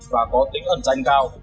và có tính ẩn danh cao